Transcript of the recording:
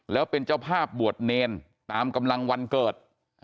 แล้วเป็นเจ้าภาพบวชเนรตามกำลังวันเกิด